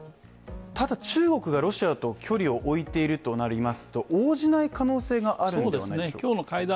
ただ、中国がロシアと距離を置いているとなりますと、応じない可能性があるんではないでしょうか？